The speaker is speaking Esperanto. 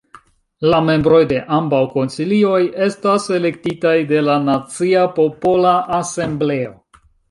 La membroj de ambaŭ konsilioj estas elektitaj de la Nacia Popola Asembleo.